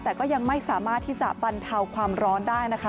แต่ก็ยังไม่สามารถที่จะบรรเทาความร้อนได้นะคะ